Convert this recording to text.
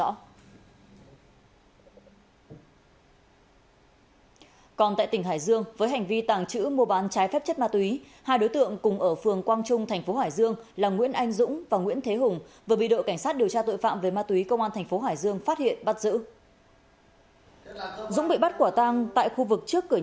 đối tượng là nguyễn anh dũng và nguyễn thế hùng với hành vi tàng trữ mua bán trái phép chất ma túy hai đối tượng cùng ở phường quang trung thành phố hải dương là nguyễn anh dũng và nguyễn thế hùng vừa bị đội cảnh sát điều tra tội phạm về ma túy công an thành phố hải dương phát hiện bắt giữ